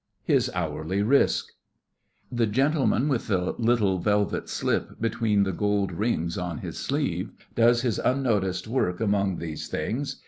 HIS HOURLY RISK The gentleman with the little velvet slip between the gold rings on his sleeve does his unnoticed work among these things.